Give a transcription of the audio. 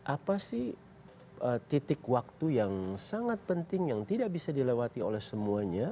apa sih titik waktu yang sangat penting yang tidak bisa dilewati oleh semuanya